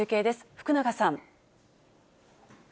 福永さん。